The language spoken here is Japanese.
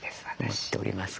思っておりますが。